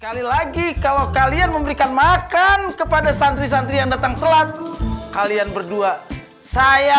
sekali lagi kalau kalian memberikan makan kepada santri santri yang datang telat kalian berdua saya